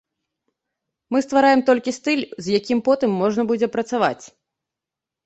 Мы ствараем толькі стыль, з якім потым можна будзе працаваць.